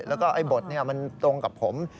แล้วก็ไอ้บทมันตรงกับผม